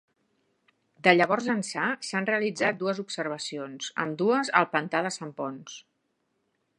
De llavors ençà s'han realitzat dues observacions, ambdues al pantà de Sant Ponç.